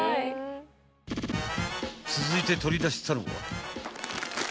［続いて取り出したのは］